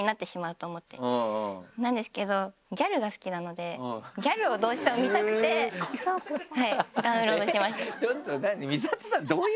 なんですけどギャルが好きなのでギャルをどうしても見たくてダウンロードしました。